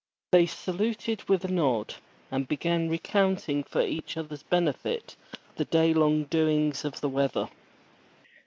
They saluted with a nod, and began recounting for each other's benefit the day long doings of the weather.